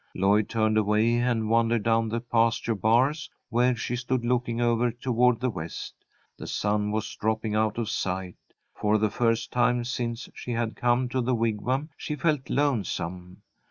Lloyd turned away and wandered down to the pasture bars, where she stood looking over toward the west. The sun was dropping out of sight. For the first time since she had come to the Wigwam she felt lonesome.